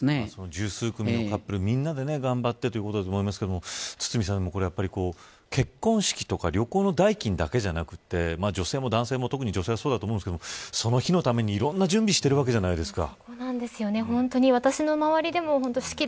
十数組のカップル、みんなで頑張ってということだと思いますけれど堤さん結婚式とか旅行の代金だけじゃなくて女性も男性も特に女性はそうだと思いますがその日のために、いろんな準備をしてるじゃないですか。